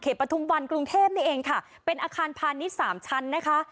ปฐุมวันกรุงเทพนี่เองค่ะเป็นอาคารพาณิชย์สามชั้นนะคะ